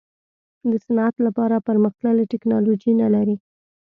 د صنعت لپاره پرمختللې ټیکنالوجي نه لري.